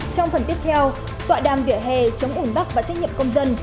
trong phần tiếp theo tọa đàm vỉa hè chống ủng bắc và trách nhiệm công dân